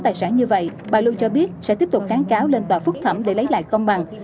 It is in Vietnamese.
tài sản như vậy bà lưu cho biết sẽ tiếp tục kháng cáo lên tòa phúc thẩm để lấy lại công bằng